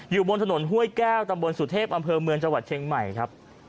อยู่บนถนนห้วยแก้วตำบลสุเทพอำเภอเมืองจังหวัดเชียงใหม่ครับ